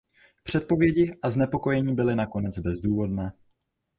Předpovědi a znepokojení byly nakonec bezdůvodné.